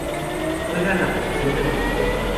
Juega en la posición de delantero.